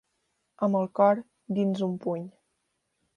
Amb el cor dins un puny.